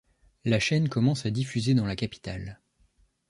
La chaîne commence à diffuser dans la capitale.